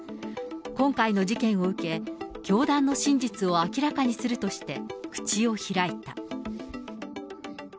今回の事件を受け、教団の真実を明らかにするとして、口を開いた。